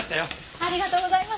ありがとうございます。